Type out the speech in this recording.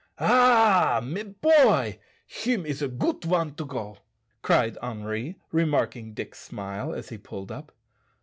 "Ah! mes boy. Him is a goot one to go," cried Henri, remarking Dick's smile as he pulled up.